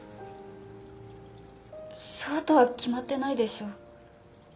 そうとは決まってないでしょ。